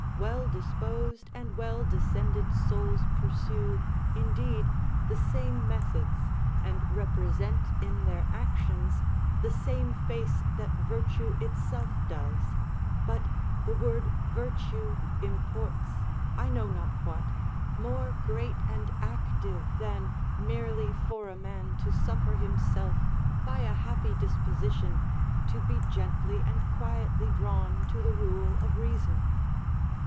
Well disposed and well descended souls pursue, indeed, the same methods, and represent in their actions the same face that virtue itself does: but the word virtue imports, I know not what, more great and active than merely for a man to suffer himself, by a happy disposition, to be gently and quietly drawn to the rule of reason.